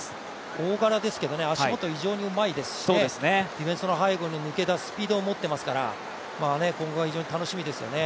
大柄ですけど、足元非常にうまいですし、ディフェンスの背後に抜け出す力を持ってますから今後が非常に楽しみですよね。